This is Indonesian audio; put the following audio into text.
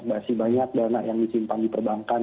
masih banyak dana yang disimpan di perbankan